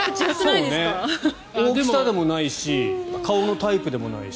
大きさでもないし顔のタイプでもないし。